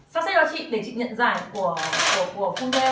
sắp xếp cho chị để chị nhận giải của phương theo